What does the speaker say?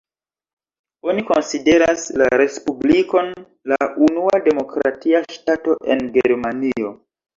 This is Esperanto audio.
Oni konsideras la respublikon la unua demokratia ŝtato en Germanio.